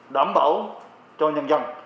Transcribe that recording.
đảm bảo cho nhân dân